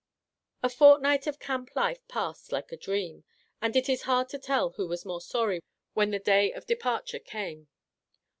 The fortnight of camp life passed like a dream, and it is hard to tell who was most sorry when the day of departure came.